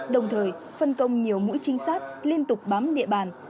đồng thời phân công nhiều mũi trinh sát liên tục bám địa bàn